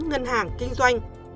ngân hàng kinh doanh